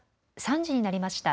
３時になりました。